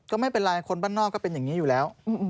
ก็ไม่เป็นไรคนบ้านนอกก็เป็นอย่างนี้อยู่แล้ว